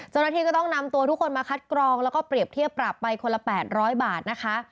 เจ้าหน้าที่ก็ต้องนำตัวทุกคนมาคัดกรองแล้วก็เปรียบเทียบปรับไปคนละ๘๐๐บาทนะคะ